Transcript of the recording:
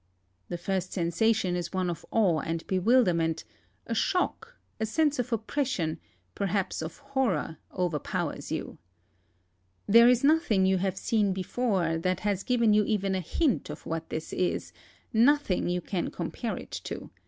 The first sensation is one of awe and bewilderment; a shock, a sense of oppression, perhaps of horror, overpowers you. There is nothing you have seen before that has given you even a hint of what this is ; nothing you can compare it to.